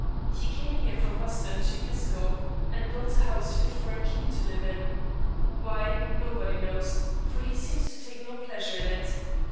He came here from Boston two years ago and built a house fit for a king to live in. Why, nobody knows, for he seems to take no pleasure in it.